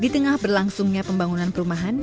di tengah berlangsungnya pembangunan perumahan